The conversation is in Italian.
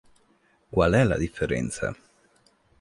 Qual è la differenza?